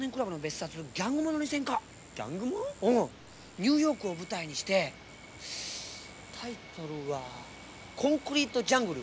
ニューヨークを舞台にしてタイトルは「コンクリート・ジャングル」。